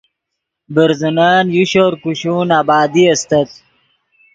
برزنن یو شور کوشون آبادی استت